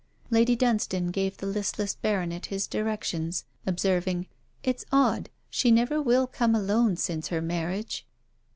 Lady Dunstane gave the listless baronet his directions, observing: 'It's odd, she never will come alone since her marriage.'